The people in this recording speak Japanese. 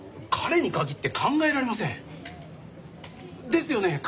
彼に限って考えられません！ですよね？